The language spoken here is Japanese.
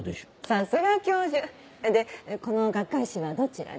さすが教授でこの学会誌はどちらに？